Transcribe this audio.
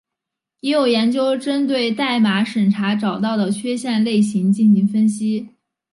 也有研究针对代码审查找到的缺陷类型进行分析。